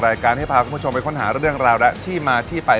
รายการให้พาคุณผู้ชมไปค้นหาเรื่องราวและที่มาที่ไป